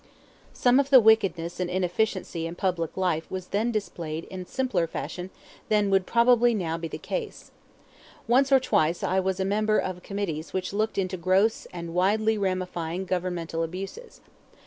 Some of the wickedness and inefficiency in public life was then displayed in simpler fashion than would probably now be the case. Once or twice I was a member of committees which looked into gross and widely ramifying governmental abuses.